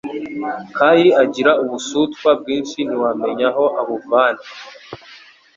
Kayi agira ubusutwa bwinshi ntiwamenya aho abuvana